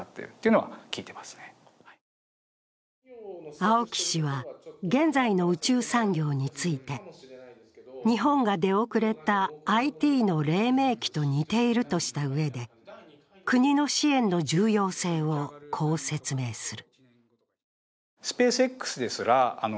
青木氏は、現在の宇宙産業について日本が出遅れたＩＴのれい明期と似ているとしたうえで、国の支援の重要性をこう説明する。